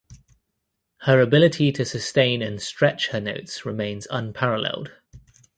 Her ability to sustain and stretch her notes remains unparalleled.